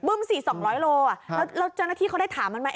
บึ้มสิ๒๐๐กิโลกรัมแล้วเจ้าหน้าที่เขาได้ถามมันไหม